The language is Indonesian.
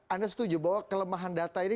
anda setuju bahwa kelemahan data ini